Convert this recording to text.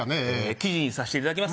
記事にさせていただきます